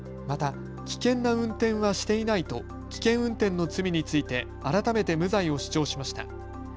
また、危険な運転はしていないと危険運転の罪について改めて無罪を主張しました。